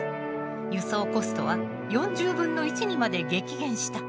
輸送コストは４０分の１にまで激減した。